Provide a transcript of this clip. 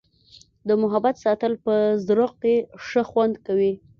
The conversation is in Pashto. د محبت ساتل په زړه کي ښه خوند کوي.